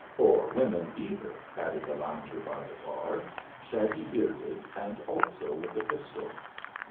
"Or women either," added a lounger by the bar, shaggy bearded and also with a pistol.